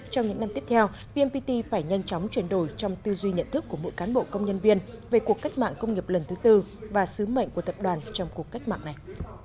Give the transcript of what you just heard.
trong những năm tiếp theo vmpt phải nhanh chóng chuyển đổi trong tư duy nhận thức của mỗi cán bộ công nhân viên về cuộc cách mạng công nghiệp lần thứ tư và sứ mệnh của tập đoàn trong cuộc cách mạng này